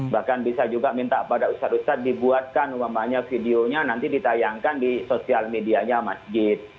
bahkan bisa juga minta pada ustadz ustadz dibuatkan umpamanya videonya nanti ditayangkan di sosial medianya masjid